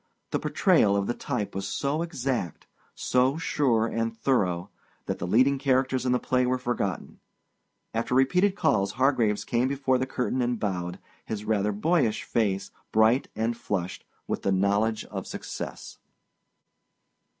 The portrayal of the type was so exact, so sure and thorough, that the leading characters in the play were forgotten. After repeated calls, Hargraves came before the curtain and bowed, his rather boyish face bright and flushed with the knowledge of success.